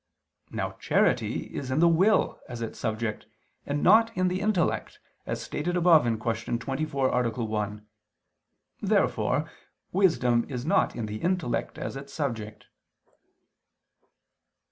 Now charity is in the will as its subject, and not in the intellect, as stated above (Q. 24, A. 1). Therefore wisdom is not in the intellect as its subject.